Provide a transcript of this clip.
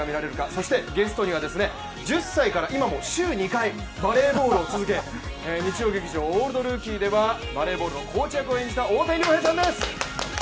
そして、ゲストには１０歳から今も週２回バレーボールを続け、日曜劇場「オールドルーキー」ではバレーボールのコーチ役を演じた大谷亮平さんです。